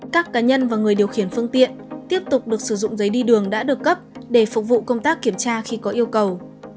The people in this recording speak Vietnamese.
các cá nhân và người điều khiển phương tiện tiếp tục được sử dụng giấy đi đường đã được cấp để phục vụ công tác kiểm tra khi có yêu cầu